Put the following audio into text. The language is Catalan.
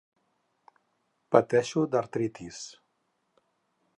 Pateixo d'artritis.